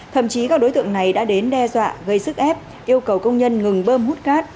thậm chí các đối tượng này đã đến đe dọa gây sức ép yêu cầu công nhân ngừng bơm hút cát